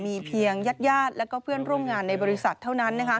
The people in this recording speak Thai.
มีเพียงญาติและเพื่อนร่วมงานในบริษัทเท่านั้น